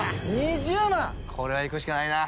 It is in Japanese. これはいくしかないな。